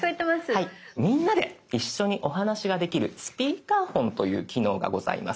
みんなで一緒にお話ができる「スピーカーフォン」という機能がございます。